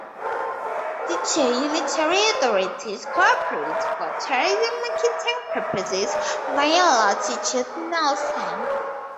The two unitary authorities co-operate for tourism-marketing purposes via "Latitude Nelson".